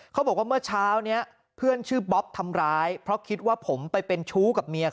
เขาบอกว่าเมื่อเช้านี้เพื่อนชื่อบ๊อบทำร้ายเพราะคิดว่าผมไปเป็นชู้กับเมีย